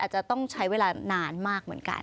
อาจจะต้องใช้เวลานานมากเหมือนกัน